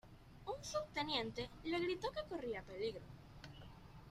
Un subteniente le gritó que corría peligro.